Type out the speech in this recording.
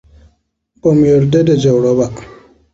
Ba mu yarda da Jauro ba.